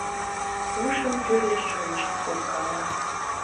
Ушым тӱрлӧ шоныш коркала.